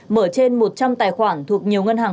mở trên một trăm linh tài khoản thuộc nhiều ngân hàng